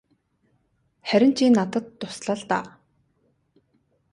Харин чи надад тусал л даа.